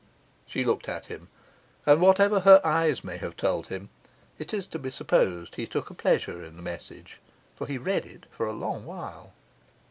She looked at him; and whatever her eyes may have told him, it is to be supposed he took a pleasure in the message, for he read it a long while.